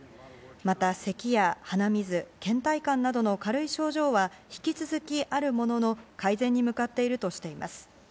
また咳や鼻水、倦怠感などの軽い症状は引き続きあるものの、改善に向かっているとしています。